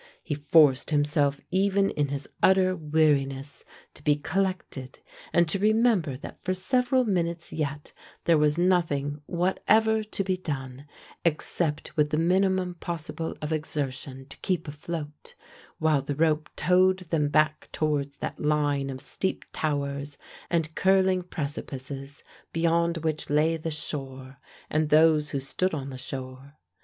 He forced himself even in his utter weariness to be collected and to remember that for several minutes yet there was nothing whatever to be done, except with the minimum possible of exertion to keep afloat, while the rope towed them back towards that line of steep towers and curling precipices beyond which lay the shore, and those who stood on the shore.